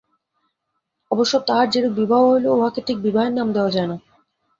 অবশ্য তাঁহার যেরূপ বিবাহ হইল, উহাকে ঠিক বিবাহের নাম দেওয়া যায় না।